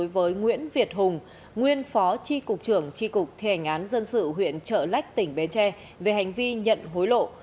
với nguyễn việt hùng nguyên phó tri cục trưởng tri cục thi hành án dân sự huyện trợ lách tỉnh bến tre về hành vi nhận hối lộ